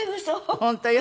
本当よ。